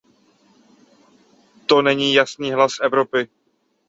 To není jasný hlas Evropy.